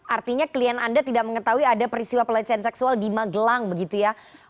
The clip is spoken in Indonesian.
artinya klien anda tidak mengetahui ada peristiwa pelecehan seksual di magelang begitu ya